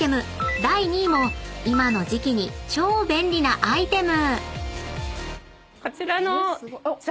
［第２位も今の時季に超便利なアイテム！］